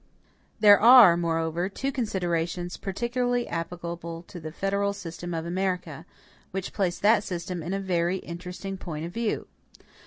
There are, moreover, two considerations particularly applicable to the federal system of America, which place that system in a very interesting point of view.